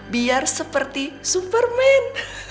biar seperti superman